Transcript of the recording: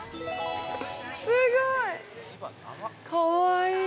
すごい。かわいい。